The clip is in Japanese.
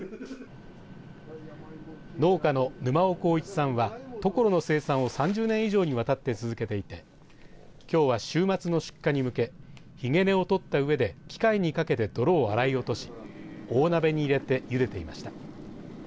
農家の沼尾幸一さんは野老の生産を３０年以上にわたって続けていてきょうは週末の出荷に向けひげ根を取ったうえで機械にかけて泥を洗い落とし大鍋に入れてゆでていました。